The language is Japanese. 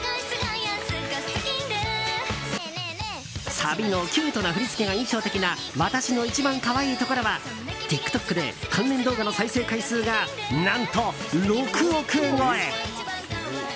サビのキュートな振り付けが印象的な「わたしの一番かわいいところ」はＴｉｋＴｏｋで関連動画の再生回数が何と６億超え。